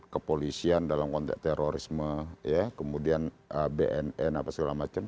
kepolisian dalam konteks terorisme kemudian bnn apa segala macam